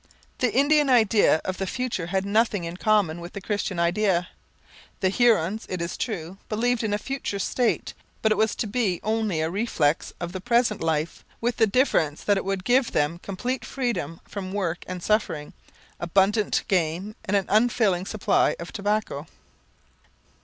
The Indian idea of the future had nothing in common with the Christian idea. The Hurons, it is true, believed in a future state, but it was to be only a reflex of the present life, with the difference that it would give them complete freedom from work and suffering, abundant game, and an unfailing supply of tobacco.